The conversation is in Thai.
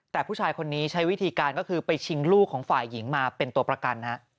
แต่ผู้ชายคนนี้ใช้วิธีการก็คือไปชิงลูกของฝ่ายหญิงมาเป็นตัวประกัน